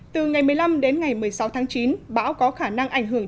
từ ngày một mươi năm đến ngày một mươi sáu tháng chín bão có khả năng ảnh hưởng